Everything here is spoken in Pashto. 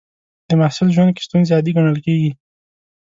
د محصل ژوند کې ستونزې عادي ګڼل کېږي.